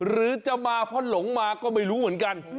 หรือจะมาเพราะหลงมาก็ไม่รู้เหมือนกัน